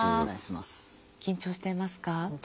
緊張していますか？